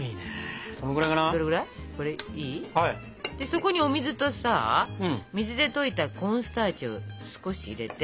そこにお水とさ水で溶いたコーンスターチを少し入れて。